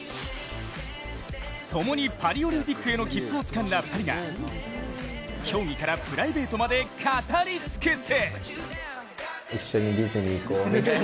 ともにパリオリンピックへの切符をつかんだ２人が競技からプライベートまで語り尽くす！